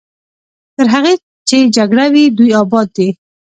تر هغې چې جګړه وي دوی اباد دي.